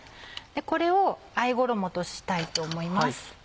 これをあえ衣としたいと思います。